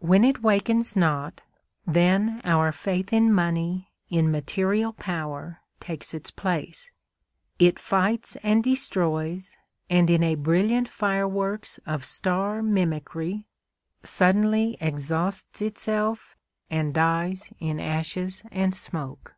When it wakens not, then our faith in money, in material power, takes its place; it fights and destroys, and in a brilliant fireworks of star mimicry suddenly exhausts itself and dies in ashes and smoke.